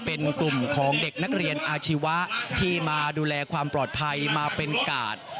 เป็นกลุ่มของเด็กนักเรียนอาชีวะที่มาดูแลความปลอดภัยมาเป็นกาด